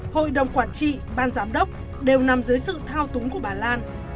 hội đồng quản trị ban giám đốc đều nằm dưới sự thao túng của bà lan